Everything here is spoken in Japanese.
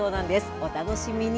お楽しみに。